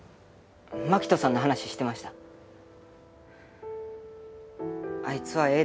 マキトさんの話してました「あいつはええ